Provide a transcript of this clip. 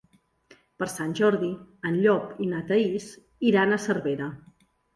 Per Sant Jordi en Llop i na Thaís iran a Cervera.